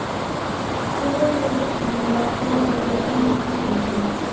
Pedro Arrieta, primer Director de la Residencia Estudiantil; Lic.